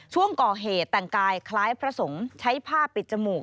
ช่วงก่อเหตุแต่งกายคล้ายพระสงฆ์ใช้ผ้าปิดจมูก